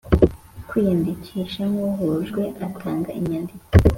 kwiyandikisha nk uhejwe atanga inyandiko